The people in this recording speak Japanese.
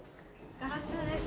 ガラスです。